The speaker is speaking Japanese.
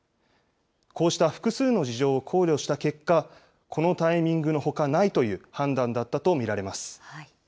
こうした複数の事情を考慮した結果、このタイミングのほかないという判断だったと見られます。